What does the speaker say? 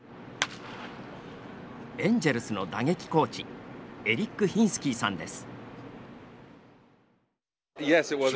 エンジェルスの打撃コーチエリック・ヒンスキーさんです。